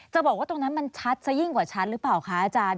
บอกว่าตรงนั้นมันชัดซะยิ่งกว่าชัดหรือเปล่าคะอาจารย์